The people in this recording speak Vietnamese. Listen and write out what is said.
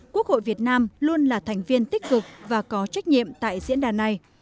quốc hội việt nam luôn là thành viên tích cực và có trách nhiệm tại diễn đàn này